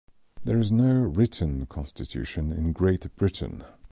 There is no written constitution in Great Britain.